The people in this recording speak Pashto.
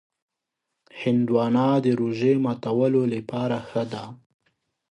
هندوانه د روژې ماتولو لپاره ښه ده.